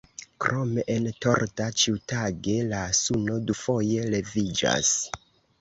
Krome en Torda ĉiutage la suno dufoje leviĝas.